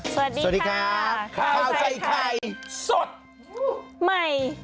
สวัสดีครับ